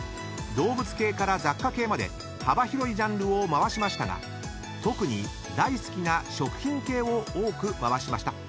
［動物系から雑貨系まで幅広いジャンルを回しましたが特に大好きな食品系を多く回しました］